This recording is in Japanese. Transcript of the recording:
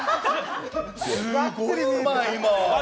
すごいうまい、今。